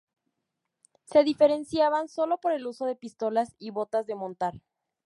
Se diferenciaban sólo por el uso de pistolas y botas de montar.